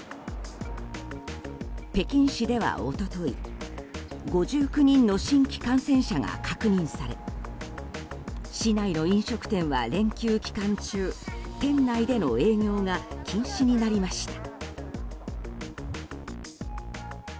北京市では一昨日５９人の新規感染者が確認され市内の飲食店は連休期間中店内での営業が禁止になりました。